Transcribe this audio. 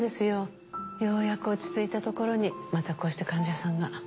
ようやく落ち着いたところにまたこうして患者さんが。